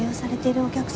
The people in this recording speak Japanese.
お客様。